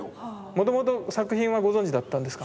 もともと作品はご存じだったんですか？